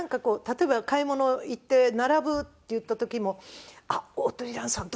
例えば買い物行って並ぶっていった時も「あっ鳳蘭さん